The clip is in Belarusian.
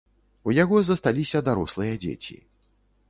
У яго засталіся дарослыя дзеці.